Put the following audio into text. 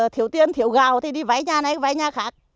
thiếu tiền thiếu gạo thì đi vãi nhà này vãi nhà khác